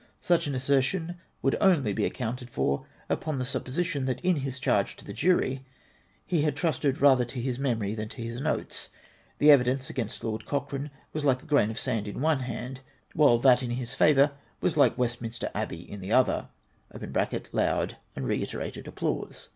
Such an assertion would only be accounted for upon the supposition, that in his charge to the jury he liad trusted rather to his memory than to his notes. The evidence against Lord Coch rane was like a grain of sand in one hand, while that in his favour was like Westminster Abbey in the other {loud and reiterated applause).